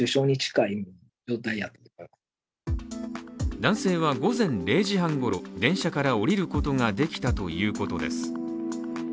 男性は午前０時半ごろ、電車から降りることができたということです。